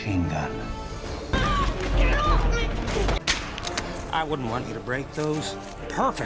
ให้หนูติดต่อยังไง